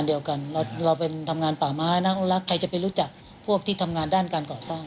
เดียวกันเราเป็นทำงานป่าไม้นะใครจะไปรู้จักพวกที่ทำงานด้านการก่อสร้าง